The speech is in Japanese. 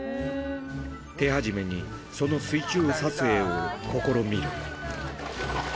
手始めにその水中撮影を試みる。